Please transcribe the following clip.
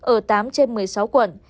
ở tám trên một mươi sáu quận